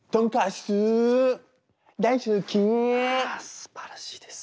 すばらしいです。